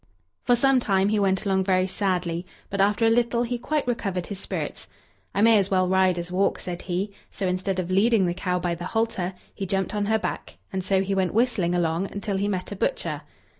For some time he went along very sadly, but after a little he quite recovered his spirits. "I may as well ride as walk," said he; so instead of leading the cow by the halter, he jumped on her back, and so he went whistling along until he met a butcher.